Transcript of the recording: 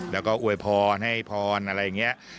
แล้วก็อวยพรให้พรอะไรอย่างนี้